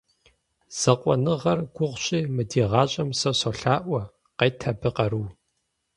Закъуэныгъэр гугъущи мы ди гъащӏэм, сэ солъаӏуэ — къет абы къару.